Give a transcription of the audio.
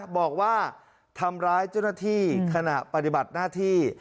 บอกว่าทำร้ายเจ้าหน้าที่ขณะปฏิบัติหน้าที่